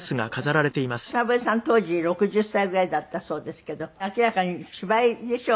草笛さん当時６０歳ぐらいだったそうですけど明らかに芝居でしょう。